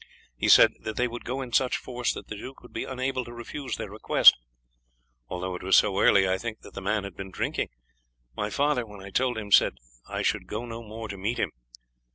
He said that they would go in such force that the duke would be unable to refuse their request. Although it was so early, I think that the man had been drinking. My father, when I told him, said I should go no more to meet him."